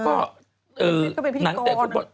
พี่่เราก็ว่ากัน